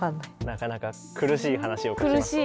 なかなか苦しい話を描きますね。